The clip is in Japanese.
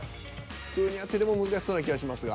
普通にやってても難しそうな気がしますが。